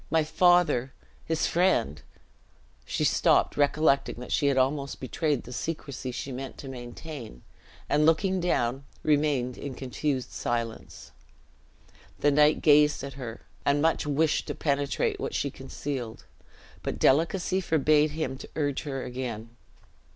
My father, his friend " she stopped, recollecting that she had almost betrayed the secrecy she meant to maintain, and looking down, remained in confused silence. The knight gazed at her, and much wished to penetrate what she concealed, but delicacy forbade him to urge her again.